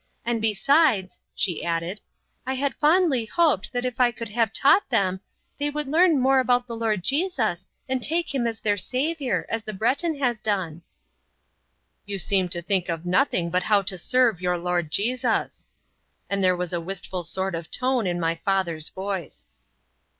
And besides," she added, "I had fondly hoped that if I could have taught them, they would learn much about the Lord Jesus and take Him as their Saviour, as the Breton has done." "You seem to think of nothing but how to serve your 'Lord Jesus,'" and there was a wistful sort of tone in my father's voice.